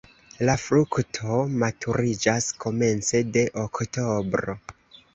La frukto maturiĝas komence de oktobro.